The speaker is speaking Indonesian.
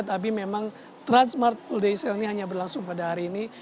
tapi memang transmart full day sale ini hanya berlangsung pada hari ini